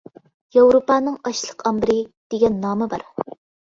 «ياۋروپانىڭ ئاشلىق ئامبىرى» دېگەن نامى بار.